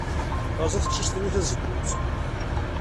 Terẓa teqcict-nni tazewwut.